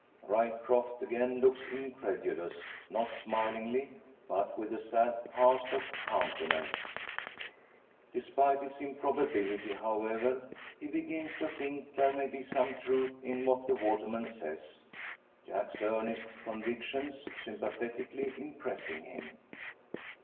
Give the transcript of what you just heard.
Ryecroft again looks incredulous; not smilingly, but with a sad cast of countenance. Despite its improbability, however, he begins to think there may be some truth in what the waterman says Jack's earnest convictions sympathetically impressing him.